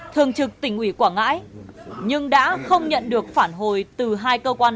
thường trực tỉnh ủy quảng ngãi nhưng đã không nhận được phản hồi từ hai cơ quan